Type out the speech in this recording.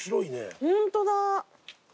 ホントだ。